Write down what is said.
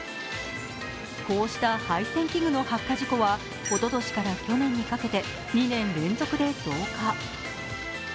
こうした配線器具の発火事故はおととしから去年にかけて２年連続で増加。